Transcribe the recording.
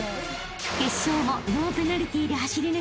［決勝もノーペナルティーで走り抜き